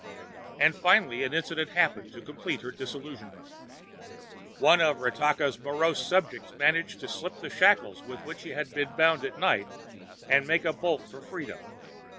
And finally an incident happened to complete her disillusionment. One of Ratakka's morose subjects managed to slip the shackles with which he was bound at night and make a bolt for freedom.